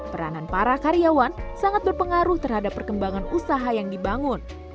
peranan para karyawan sangat berpengaruh terhadap perkembangan usaha yang dibangun